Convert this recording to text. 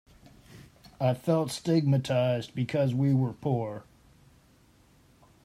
I felt stigmatized because we were poor.